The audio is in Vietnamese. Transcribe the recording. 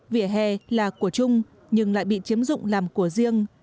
vỉa hè là của chung nhưng lại bị chiếm dụng làm của riêng